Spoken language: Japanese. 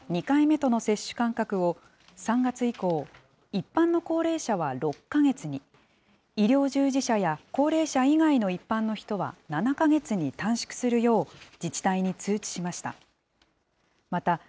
２回目との接種間隔を、３月以降、一般の高齢者は６か月に、医療従事者や高齢者以外の一般の人は７か月に短縮するよう、自治体に通知しました。